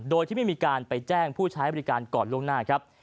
โดยที่ไม่มีการไปแจ้งผู้ใช้บริการก่อนล่วงหน้าครับ